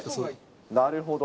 なるほど。